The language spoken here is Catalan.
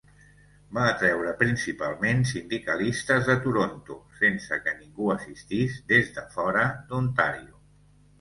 Va atreure principalment sindicalistes de Toronto sense que ningú assistís des de fora d'Ontario.